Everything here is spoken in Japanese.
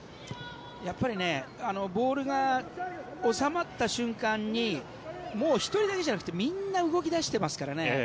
やっぱりボールが収まった瞬間にもう１人だけじゃなくてみんな動き出していますからね。